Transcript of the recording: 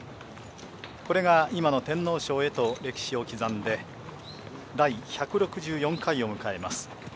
これが今の天皇賞へと歴史を刻んで第１６４回を迎えます。